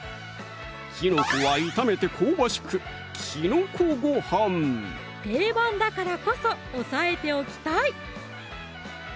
きのこは炒めて香ばしく定番だからこそ押さえておきたい